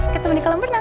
ketemu di kolam berenang